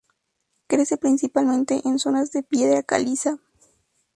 Crece principalmente en zonas de piedra caliza.